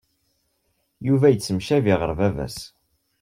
Yuba yettemcabi ɣer baba-s.